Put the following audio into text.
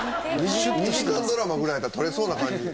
２時間ドラマぐらいやったら撮れそうな感じ。